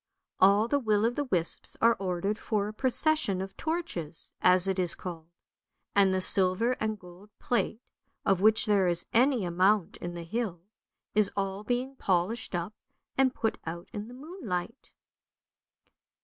All the will o' the wisps are ordered for a procession of torches, as it is called; and the silver and gold plate, of which there is any amount in the hill, is all being polished up and put out in the moonlight."